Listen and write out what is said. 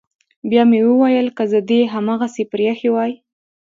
بيا مې وويل که زه دې هماغسې پريښى واى.